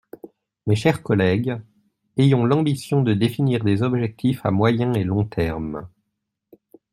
Mes chers collègues, ayons l’ambition de définir des objectifs à moyen et long terme.